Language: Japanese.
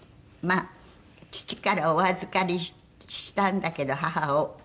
まあ父からお預かりしたんだけど母を。